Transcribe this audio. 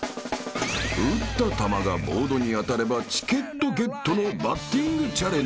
［打った球がボードに当たればチケットゲットのバッティングチャレンジ］